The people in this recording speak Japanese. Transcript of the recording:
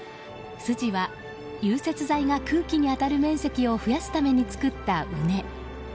筋は融雪剤が空気に当たる面積を増やすために作った畝。